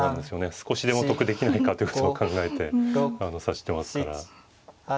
少しでも得できないかということを考えて指してますから。